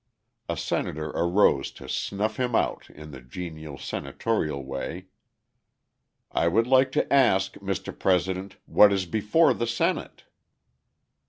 A senator arose to snuff him out in the genial senatorial way. "I would like to ask, Mr. President, what is before the Senate?"